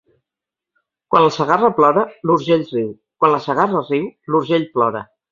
Quan la Segarra plora, l'Urgell riu; quan la Segarra riu, l'Urgell plora.